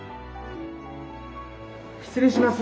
失礼します。